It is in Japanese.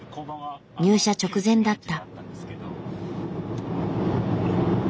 入社直前だった。